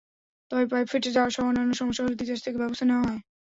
তবে পাইপ ফেটে যাওয়াসহ অন্যান্য সমস্যা হলে তিতাস থেকে ব্যবস্থা নেওয়া হয়।